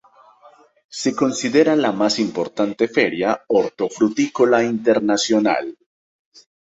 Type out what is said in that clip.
Se considera la más importante feria hortofrutícola internacional.